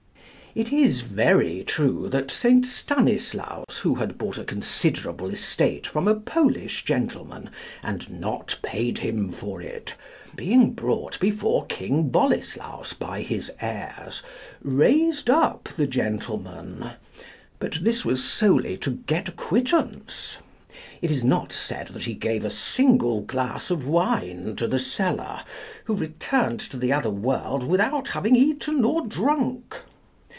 It is very true that St. Stanislaus, who had bought a considerable estate from a Polish gentleman, and not paid him for it, being brought before King Boleslaus by his heirs, raised up the gentleman; but this was solely to get quittance. It is not said that he gave a single glass of wine to the seller, who returned to the other world without having eaten or drunk.